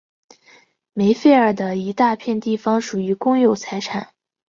梅费尔的一大片地方属于公有财产。